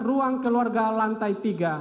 ruang keluarga lantai tiga